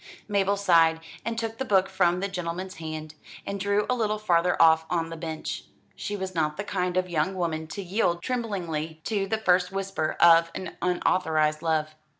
Mabel sighed, and took the book from the gentleman's hand, and drew a little farther off on the bench. She was not the kind of young woman to yield tremblingly to the first whisper of an unauthorised love.